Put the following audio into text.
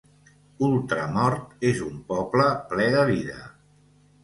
Ultramort és un poble ple de vida.